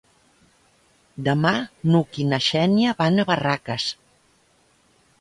Demà n'Hug i na Xènia van a Barraques.